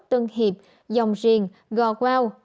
tân hiệp dòng riền gò quao